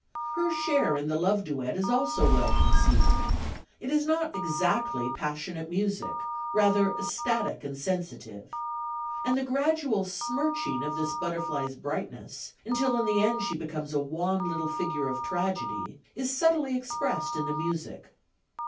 Her share in the love duet is also well conceived. It is not exactly passionate music; rather ecstatic and sensitive. And the gradual smirching of this butterfly's brightness until in the end she becomes a wan little figure of tragedy is subtly expressed in the music.